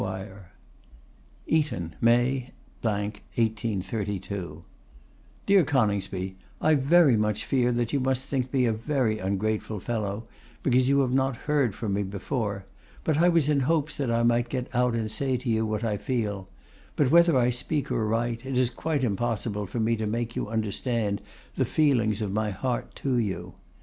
ETON, May , 1832. 'DEAR CONINGSBY, I very much fear that you must think me a very ungrateful fellow, because you have not heard from me before; but I was in hopes that I might get out and say to you what I feel; but whether I speak or write, it is quite impossible for me to make you understand the feelings of my heart to you.